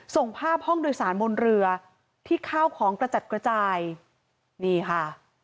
ส่งภาพห้องโดยสารบนเรือที่ข้าวของกระจัดกระจายนี่ค่ะ